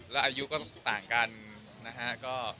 แล้วอายุก็ต่างกันนะฮะ